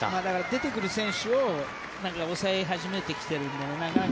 出てくる選手を抑え始めてきてるんだね